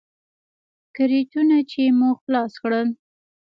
کرېټونه چې مو خلاص کړل.